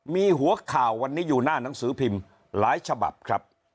มีหัวข่าววันนี้อยู่หน้าหนังสือพิมพ์หลายฉบับครับ